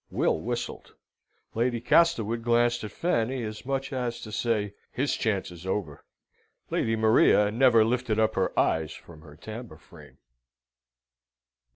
Will whistled. Lady Castlewood glanced at Fanny, as much as to say, His chance is over. Lady Maria never lifted up her eyes from her tambour frame.